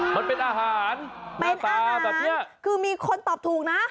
มันเป็นอาหารเป็นอาหารคือมีคนตอบถูกนะ